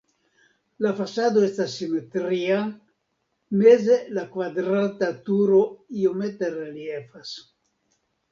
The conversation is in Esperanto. La fasado estas simetria, meze la kvadrata turo iomete reliefas.